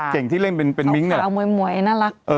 เก่งที่เล่นเป็นมิ้งค์